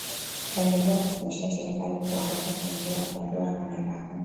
Akaendelea kufundisha shirika alipoondoka kwa njia ya barua au nyaraka